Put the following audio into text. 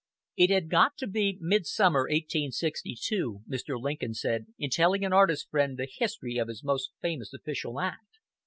"It had got to be midsummer, 1862," Mr. Lincoln said, in telling an artist friend the history of his most famous official act.